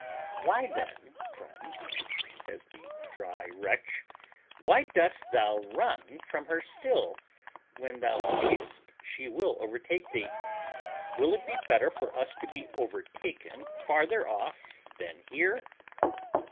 "Why, then, friend," says the dry wretch, "why dost thou run from her still, when thou seest she will overtake thee? Will it be better for us to be overtaken farther off than here?"